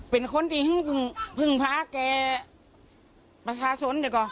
เป็นคนที่พึ่งพระอาจารย์ประชาชน